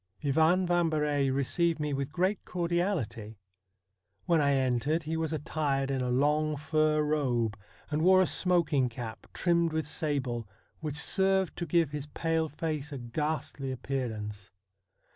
Ivan Vambery received me with great cordiality. When I entered he was attired in a long fur robe, and wore a smok ing cap, trimmed with sable, which served to give his pale face a ghastly appearance.